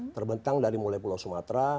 terbentang dari mulai pulau sumatera